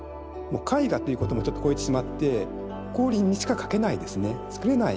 絵画ということもちょっと超えてしまって光琳にしか描けないですね作れない